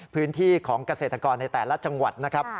พื้นที่ของเกษตรกรในแต่ละจังหวัดนะครับ